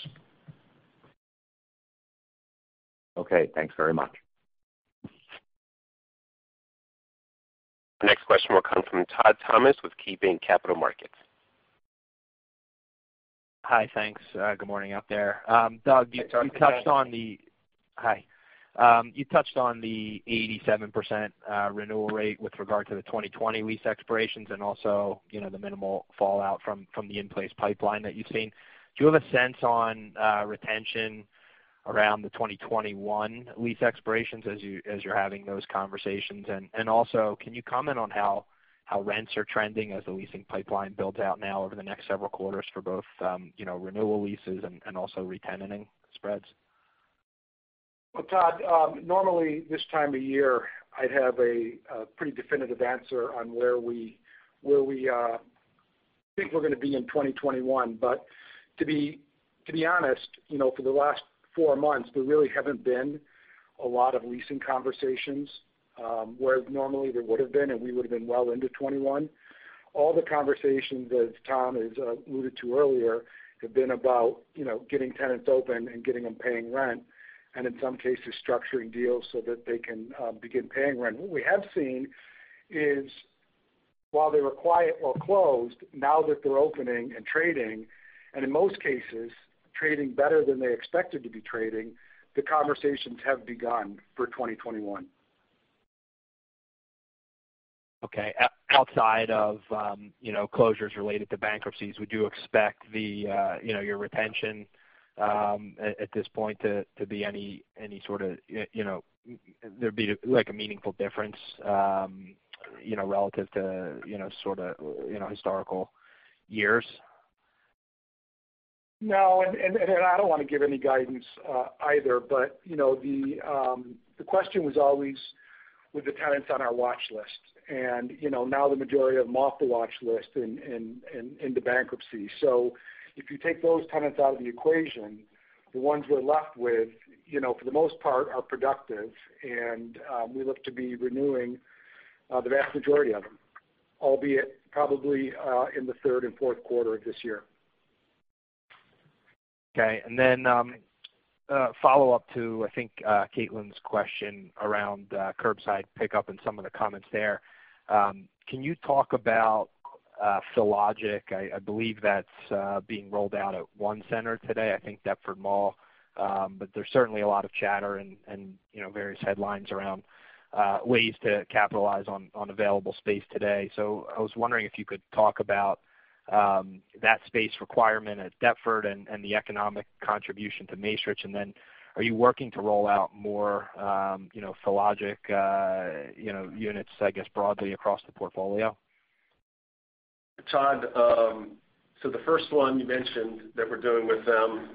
Speaker 14: Okay, thanks very much.
Speaker 1: The next question will come from Todd Thomas with KeyBanc Capital Markets.
Speaker 15: Hi, thanks. Good morning out there.
Speaker 3: Hi, Todd.
Speaker 15: Hi. You touched on the 87% renewal rate with regard to the 2020 lease expirations and also the minimal fallout from the in-place pipeline that you've seen. Do you have a sense on retention around the 2021 lease expirations as you're having those conversations? Can you comment on how rents are trending as the leasing pipeline builds out now over the next several quarters for both renewal leases and also re-tenanting spreads?
Speaker 5: Well, Todd, normally this time of year, I'd have a pretty definitive answer on where we think we're going to be in 2021. To be honest, for the last four months, there really haven't been a lot of leasing conversations, whereas normally there would've been, and we would've been well into 2021. All the conversations, as Tom has alluded to earlier, have been about getting tenants open and getting them paying rent, and in some cases, structuring deals so that they can begin paying rent. What we have seen is while they were quiet or closed, now that they're opening and trading, and in most cases trading better than they expected to be trading, the conversations have begun for 2021.
Speaker 15: Okay. Outside of closures related to bankruptcies, would you expect your retention, at this point, to be, there'd be a meaningful difference, relative to historical years?
Speaker 5: No, I don't want to give any guidance either. The question was always with the tenants on our watch list, and now the majority of them off the watch list and into bankruptcy. If you take those tenants out of the equation, the ones we're left with, for the most part, are productive. We look to be renewing the vast majority of them, albeit probably in the third and fourth quarter of this year.
Speaker 15: Okay. Follow-up to, I think, Caitlin's question around curbside pickup and some of the comments there. Can you talk about Fillogic? I believe that's being rolled out at one center today, I think Deptford Mall. There's certainly a lot of chatter and various headlines around ways to capitalize on available space today. I was wondering if you could talk about that space requirement at Deptford and the economic contribution to Macerich. Are you working to roll out more Fillogic units, I guess, broadly across the portfolio?
Speaker 3: Todd, the first one you mentioned that we're doing with them,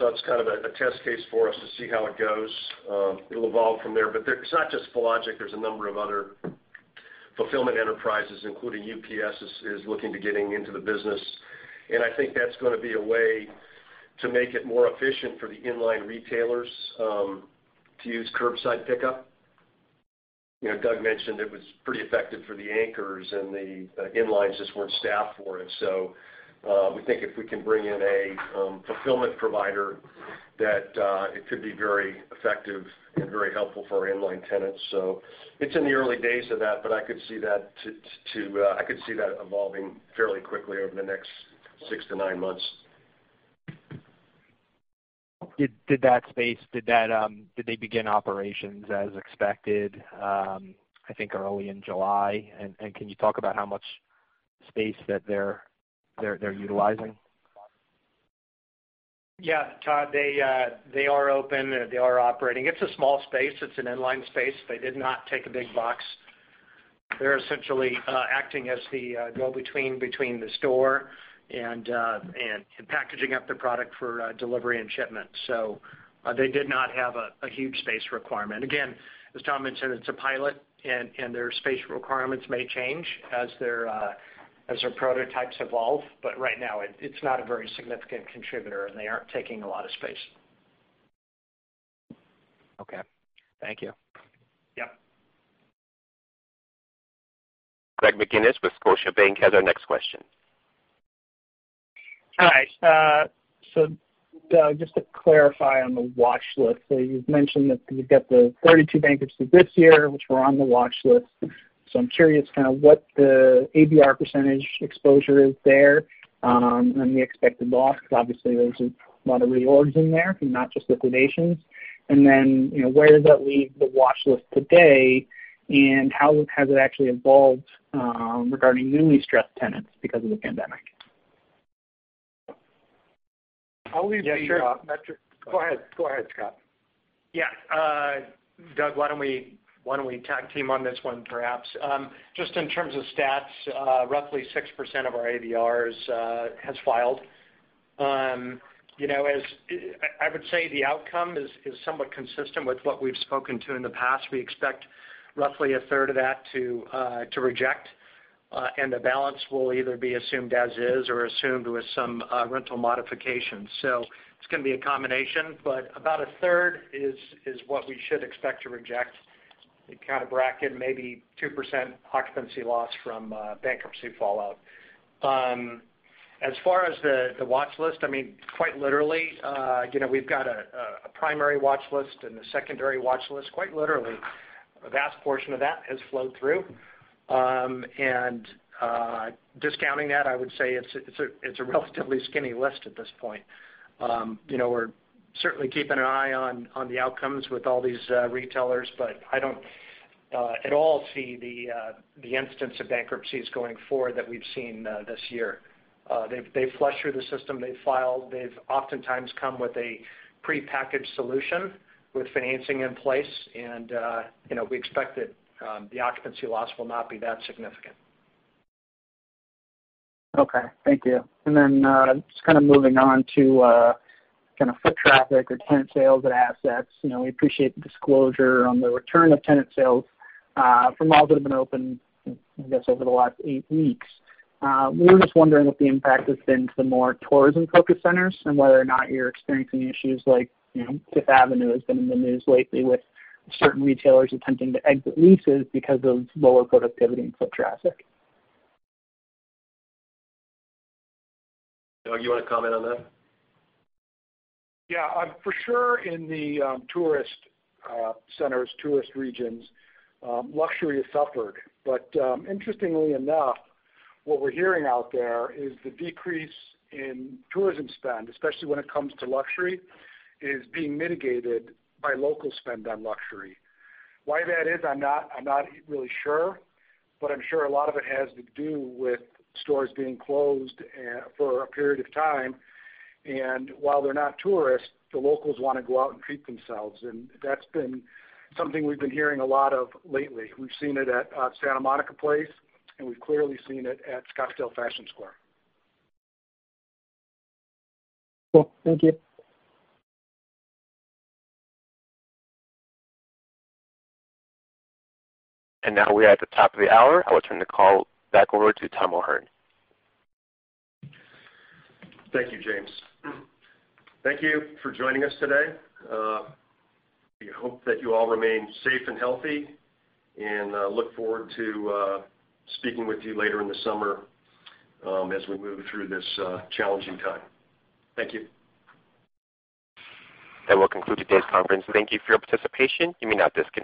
Speaker 3: it's kind of a test case for us to see how it goes. It'll evolve from there. It's not just Fillogic. There's a number of other fulfillment enterprises, including UPS, is looking to getting into the business. I think that's going to be a way to make it more efficient for the inline retailers, to use curbside pickup. Doug mentioned it was pretty effective for the anchors, and the inlines just weren't staffed for it. We think if we can bring in a fulfillment provider, that it could be very effective and very helpful for our inline tenants. It's in the early days of that, but I could see that evolving fairly quickly over the next six to nine months.
Speaker 15: Did they begin operations as expected, I think early in July? Can you talk about how much space that they're utilizing?
Speaker 4: Yeah, Todd, they are open. They are operating. It's a small space. It's an inline space. They did not take a big box. They're essentially acting as the go-between between the store and packaging up the product for delivery and shipment. They did not have a huge space requirement. Again, as Tom mentioned, it's a pilot, and their space requirements may change as their prototypes evolve. Right now, it's not a very significant contributor, and they aren't taking a lot of space.
Speaker 15: Okay. Thank you.
Speaker 4: Yep.
Speaker 1: Greg McGinniss with Scotiabank has our next question.
Speaker 16: Hi. Doug, just to clarify on the watch list. You've mentioned that you've got the 42 bankruptcies this year, which were on the watch list. I'm curious kind of what the ABR percentage exposure is there, and the expected loss, because obviously there's a lot of reorgs in there, not just liquidations. Then, where does that leave the watch list today, and how has it actually evolved regarding newly stressed tenants because of the pandemic?
Speaker 5: I'll leave the metric.
Speaker 4: Yeah, sure.
Speaker 5: Go ahead, Scott.
Speaker 4: Yeah. Doug, why don't we tag team on this one, perhaps? Just in terms of stats, roughly 6% of our ABRs has filed. I would say the outcome is somewhat consistent with what we've spoken to in the past. We expect roughly a third of that to reject, the balance will either be assumed as is or assumed with some rental modifications. It's going to be a combination. About a third is what we should expect to reject. Kind of bracket maybe 2% occupancy loss from bankruptcy fallout. As far as the watch list, quite literally, we've got a primary watch list and a secondary watch list. Quite literally, a vast portion of that has flowed through. Discounting that, I would say it's a relatively skinny list at this point. We're certainly keeping an eye on the outcomes with all these retailers, but I don't at all see the instance of bankruptcies going forward that we've seen this year. They flush through the system. They file. They've oftentimes come with a prepackaged solution with financing in place, and we expect that the occupancy loss will not be that significant.
Speaker 16: Okay. Thank you. Just kind of moving on to kind of foot traffic or tenant sales at assets. We appreciate the disclosure on the return of tenant sales from malls that have been open, I guess, over the last eight weeks. We were just wondering what the impact has been to the more tourism-focused centers and whether or not you're experiencing issues like Fifth Avenue has been in the news lately with certain retailers attempting to exit leases because of lower productivity and foot traffic.
Speaker 4: Doug, you want to comment on that?
Speaker 5: Yeah, for sure in the tourist centers, tourist regions, luxury has suffered. Interestingly enough, what we're hearing out there is the decrease in tourism spend, especially when it comes to luxury, is being mitigated by local spend on luxury. Why that is, I'm not really sure, but I'm sure a lot of it has to do with stores being closed for a period of time. While they're not tourists, the locals want to go out and treat themselves, and that's been something we've been hearing a lot of lately. We've seen it at Santa Monica Place, and we've clearly seen it at Scottsdale Fashion Square.
Speaker 16: Cool. Thank you.
Speaker 1: Now we are at the top of the hour. I will turn the call back over to Tom O'Hern.
Speaker 3: Thank you, James. Thank you for joining us today. We hope that you all remain safe and healthy and look forward to speaking with you later in the summer as we move through this challenging time. Thank you.
Speaker 1: That will conclude today's conference. Thank you for your participation. You may now disconnect.